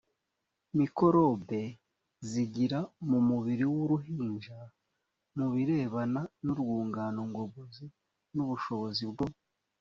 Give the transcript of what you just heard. mikorobe zigira mu mubiri w uruhinja mu birebana n urwungano ngogozi n ubushobozi bwo